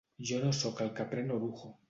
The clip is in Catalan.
Jo no sóc el que pren orujo.